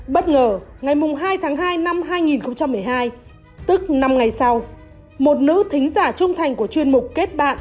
bất ngờ ngày hai tháng hai năm hai nghìn một mươi hai tức năm ngày sau một nữ thính giả trung thành của chuyên mục kết bạn